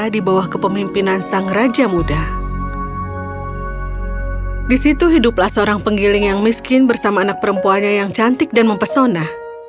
disitu hiduplah seorang penggiling yang miskin bersama anak perempuannya yang cantik dan mempesona